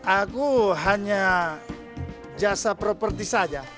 aku hanya jasa properti saja